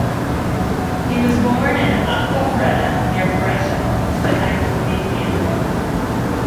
He was born in Acquafredda, near Brescia, but active mainly in Rome.